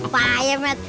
paham ya mat